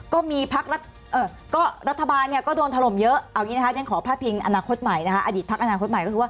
ก็มีรัฐบาลก็โดนทะลมเยอะยังขอพาดพิงอนาคตใหม่นะคะ